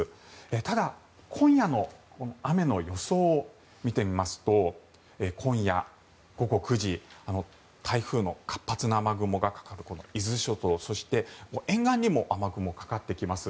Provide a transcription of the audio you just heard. ただ今夜の雨の予想を見てみますと今夜午後９時、台風の活発な雨雲がかかる伊豆諸島そして沿岸にも雨雲、かかってきます。